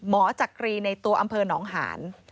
หมจักรีในตัวอำเภอนองค์หาญ